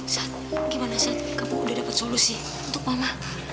sat gimana sat kamu udah dapet solusi untuk mama